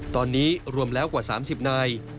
ตอนนี้รวมแล้วกว่า๓๐นาย